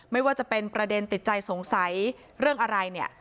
ไม่ว่าจะเป็นประเด็นติดใจสงสัยเรื่องอะไรเนี่ย